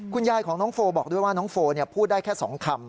คุณยายของน้องโฟบอกด้วยว่าน้องโฟพูดได้แค่๒คำ